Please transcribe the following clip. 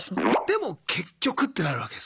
でも結局ってなるわけですか。